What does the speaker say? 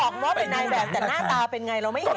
บอกว่าเป็นนายแบบแต่หน้าตาเป็นไงเราไม่เห็น